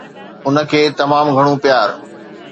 ان کي تمام گهڻو پيار